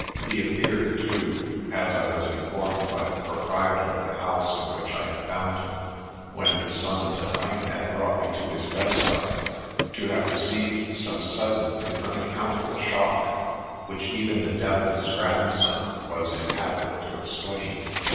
He appeared too — as I was informed by the proprietor of the house in which I found him, when his summons at length had brought me to his bedside — to have received some sudden and unaccountable shock, which even the death of his grandson was inadequate to explain.